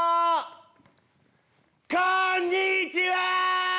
こんにちは！